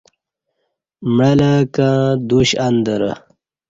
معلہ کں دش اندرہ